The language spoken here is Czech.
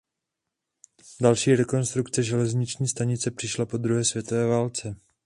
Další rekonstrukce železniční stanice přišla po druhé světové válce.